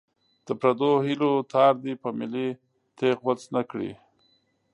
د پردو هیلو تار دې په ملي تېغ غوڅ نه کړي.